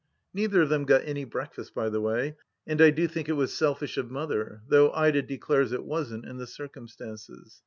Neither of them got any brealdast, by the way ; and I do think it was selfish of Mother, though Ida declares it wasn't, in the circumstances.